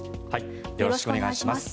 よろしくお願いします。